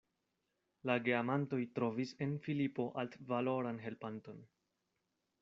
La geamantoj trovis en Filipo altvaloran helpanton.